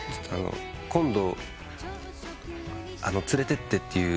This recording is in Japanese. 『今度連れてって』っていう。